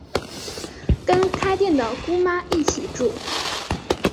跟开店的姑妈一起住